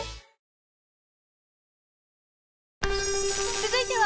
［続いては］